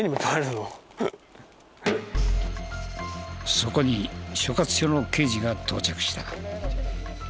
そこに所轄署の刑事が到着した。